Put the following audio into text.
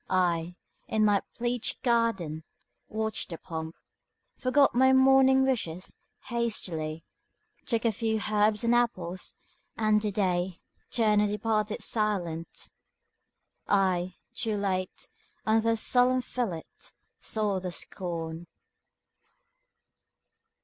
I, in my pleached garden, watched the pomp, Forgot my morning wishes, hastily Took a few herbs and apples, and the Day Turned and departed silent. I, too late, Under her solemn fillet saw the scorn.